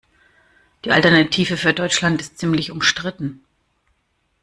Die Alternative für Deutschland ist ziemlich umstritten.